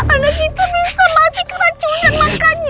anak kita bisa mati keracunan makanya